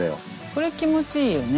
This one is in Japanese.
これ気持ちいいよね